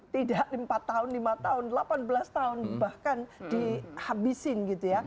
tidak empat tahun lima tahun delapan belas tahun bahkan dihabisin gitu ya